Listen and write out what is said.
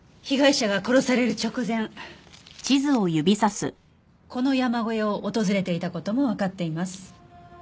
被害者が殺される直前この山小屋を訪れていた事もわかっています。